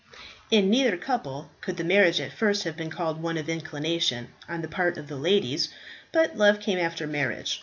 In neither couple could the marriage at first have been called one of inclination on the part of the ladies, but love came after marriage.